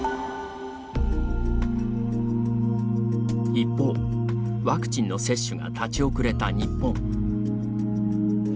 一方、ワクチンの接種が立ち遅れた日本。